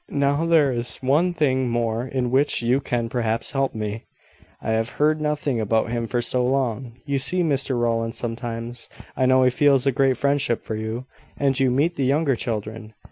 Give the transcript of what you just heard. Now there is one thing more in which you can perhaps help me. I have heard nothing about him for so long! You see Mr Rowland sometimes (I know he feels a great friendship for you); and you meet the younger children.